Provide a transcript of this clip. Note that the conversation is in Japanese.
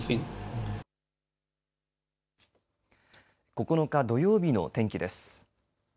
９日、土曜日の天気です。